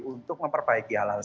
untuk memperbaiki hal hal